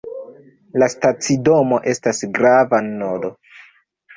La stacidomo estas grava nodo.